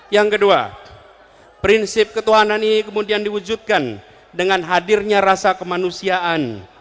yang kedua prinsip ketuhanan ini kemudian diwujudkan dengan hadirnya rasa kemanusiaan